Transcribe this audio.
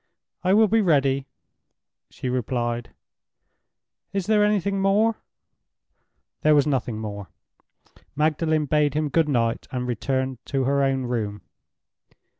"I will be ready," she replied. "Is there anything more?" There was nothing more. Magdalen bade him good night and returned to her own room.